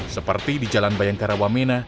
seperti di jalan bayangkara wamena